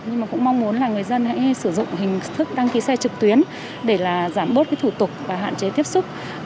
nhưng mà cũng mong muốn là người dân hãy sử dụng hình thức đăng ký xe trực tuyến để là giảm bớt cái thủ tục và hạn chế tiếp xúc